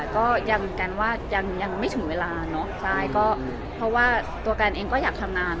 ก็ยังกันว่ายังยังไม่ถึงเวลาเนอะใช่ก็เพราะว่าตัวกันเองก็อยากทำงาน